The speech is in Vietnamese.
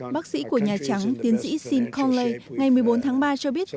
bác sĩ của nhà trắng tiến sĩ shin conley ngày một mươi bốn tháng ba cho biết